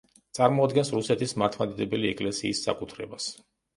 წარმოადგენს რუსეთის მართლმადიდებელი ეკლესიის საკუთრებას.